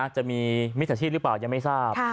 จะมีมิจฉาชีพหรือเปล่ายังไม่ทราบ